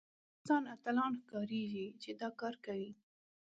هغه کسان اتلان ښکارېږي چې دا کار کوي